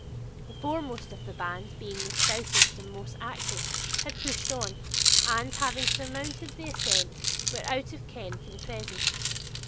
The foremost of the band, being the stoutest and most active, had pushed on, and, having surmounted the ascent, were out of ken for the present.